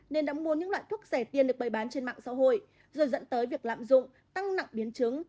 nên đã mua những loại thuốc rẻ tiền được bày bán trên mạng xã hội rồi dẫn tới việc lạm dụng tăng nặng biến chứng